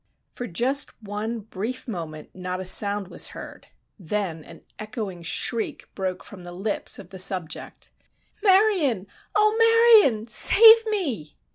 For just one brief moment not a sound was heard; then an echoing shriek broke from the lips of the "subject." "Marion! Oh, Marion! Save me!"